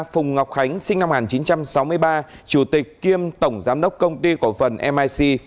phùng ngọc khánh sinh năm một nghìn chín trăm sáu mươi ba chủ tịch kiêm tổng giám đốc công ty cổ phần mic